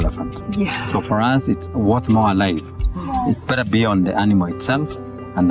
vậy tại sao các anh